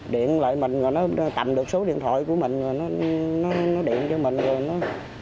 điện lại mình rồi nó tầm được số điện thoại của mình rồi nó điện cho mình rồi nó